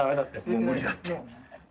もう無理だって。